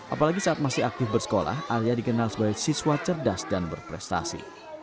apalagi saat masih aktif bersekolah arya dikenal sebagai siswa cerdas dan berprestasi